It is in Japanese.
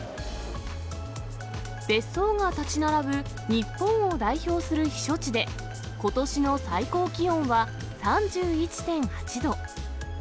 別荘が建ち並ぶ日本を代表する避暑地で、ことしの最高気温は３１．８度。